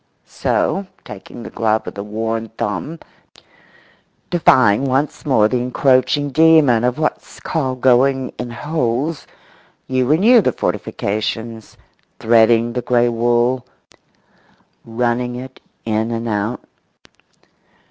So, taking the glove with the worn thumb, defying once more the encroaching demon of what's called going in holes, you renew the fortifications, threading the grey wool, running it in and out.